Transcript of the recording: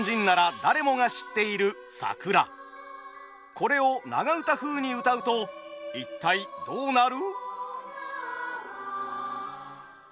これを長唄風にうたうと一体どうなる？